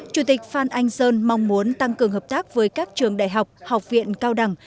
chủ tịch phan anh sơn mong muốn tăng cường hợp tác với các trường đại học học viện cao đẳng